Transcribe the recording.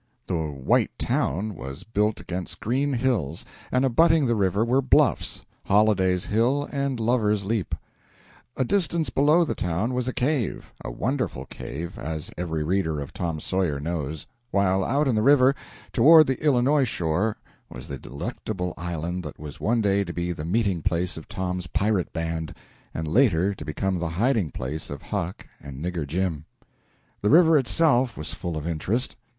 The "white town" was built against green hills, and abutting the river were bluffs Holliday's Hill and Lover's Leap. A distance below the town was a cave a wonderful cave, as every reader of Tom Sawyer knows while out in the river, toward the Illinois shore, was the delectable island that was one day to be the meeting place of Tom's pirate band, and later to become the hiding place of Huck and Nigger Jim. The river itself was full of interest.